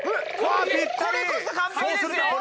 これこそ完璧ですよ！